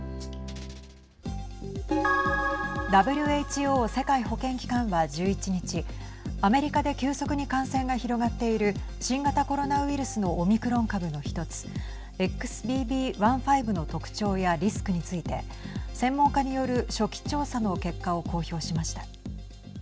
ＷＨＯ＝世界保健機関は１１日アメリカで急速に感染が広がっている新型コロナウイルスのオミクロン株の１つＸＢＢ．１．５の特徴やリスクについて専門家による初期調査の結果を公表しました。